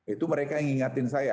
itu mereka yang ngingetin saya